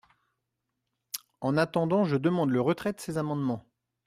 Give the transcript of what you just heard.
En attendant, je demande le retrait de ces amendements.